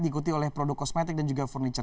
diikuti oleh produk kosmetik dan juga furniture